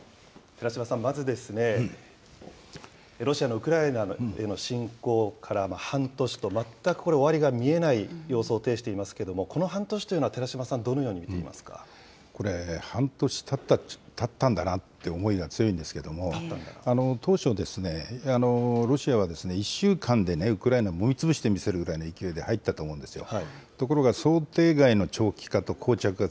寺島さん、まずですね、ロシアのウクライナへの侵攻から半年と、全くこれ、終わりが見えない様相を呈していますけれども、この半年というのは寺島さん、どのこれ、半年たったんだなって思いが強いんですけれども、当初、ロシアは１週間でね、ウクライナをもみつぶしてみせるというような勢いで入ったと思うんですよ。